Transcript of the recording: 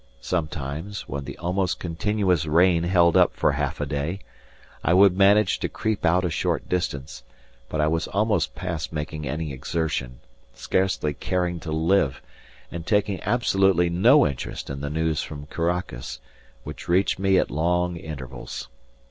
Sometimes, when the almost continuous rain held up for half a day, I would manage to creep out a short distance; but I was almost past making any exertion, scarcely caring to live, and taking absolutely no interest in the news from Caracas, which reached me at long intervals.